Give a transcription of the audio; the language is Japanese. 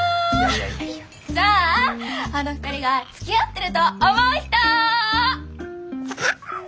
じゃああの２人がつきあってると思う人！